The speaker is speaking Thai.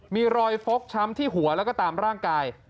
มีรอยฟกช้ำที่หัวแล้วก็ตามร่างกาย